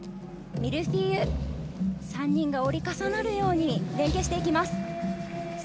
ミルフィーユ、３人が折り重なるように連係していきます。